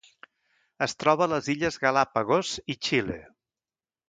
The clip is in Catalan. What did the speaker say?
Es troba a les Illes Galápagos i Xile.